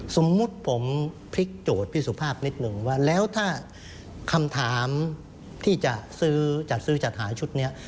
สมมุติผมพลิกโจทย์พี่สุภาพนิดนึงว่าแล้วถ้าคำถามที่จะซื้อจัดซื้อจัดหาชุดนี้